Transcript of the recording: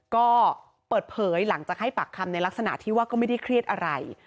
ก็เปิดเผยหลังจากให้ปากคำในลักษณะที่ว่าก็ไม่ได้เครียดอะไร